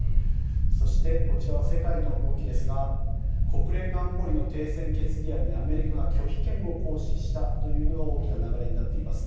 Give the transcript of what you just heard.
そして、こちらは世界の動きですが国連の安保理の停戦決議案にアメリカが拒否権を行使したというのが大きな流れになっています。